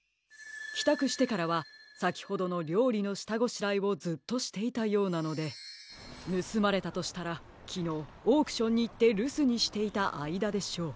きたくしてからはさきほどのりょうりのしたごしらえをずっとしていたようなのでぬすまれたとしたらきのうオークションにいってるすにしていたあいだでしょう。